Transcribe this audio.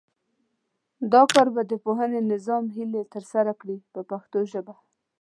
دا کار به د پوهنې نظام هیلې ترسره کړي په پښتو ژبه.